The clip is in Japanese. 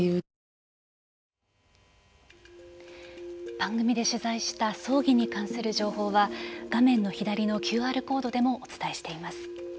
番組で取材した葬儀に関する情報は画面の左のＱＲコードでもお伝えしています。